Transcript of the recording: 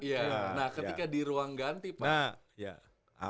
iya nah ketika di ruang ganti pak